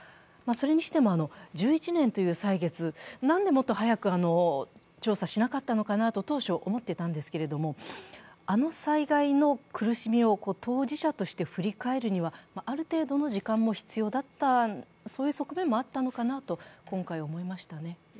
それにしても、１１年という歳月なんでもっと早く調査しなかったのかなと当初思っていたんですけれども、あの災害の苦しみを当事者として振り返るには、ある程度の時間も必要だった、そういう側面もあったのかなと今回思いましたね。